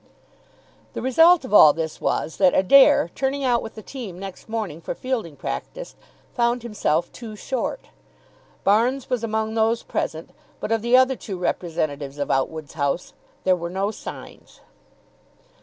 The result of all this was that Adair, turning out with the team next morning for fielding practice, found himself two short. Barnes was among those present, but of the other two representatives of Outwood's house there were no signs.